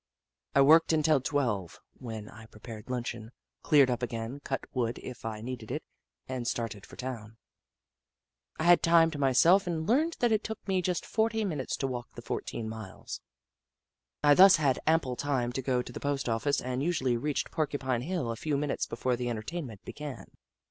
I worked until twelve, when I prepared luncheon, cleared up again, cut wood if I needed it, and started for town. I had timed myself and learned that it took me just forty minutes to walk the fourteen miles, I thus had ample time to go to the post office, and usually reached Porcupine Hill a few minutes before the entertainment bea; an.